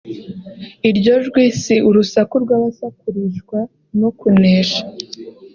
Iryo jwi si urusaku rw’abasakurishwa no kunesha